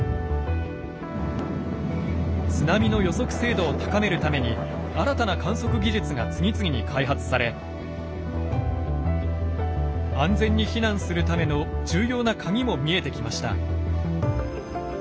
津波の予測精度を高めるために新たな観測技術が次々に開発され安全に避難するための重要なカギも見えてきました。